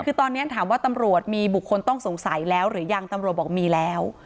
คือตอนนี้ถามว่าตำรวจมีบุคคลต้องสงสัยแล้วหรือยังตำรวจบอกมีแล้ว